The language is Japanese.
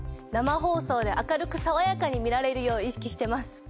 生放送で明るくさわやかに見られるよう意識してます。